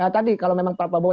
tadi kalau memang pak prabowo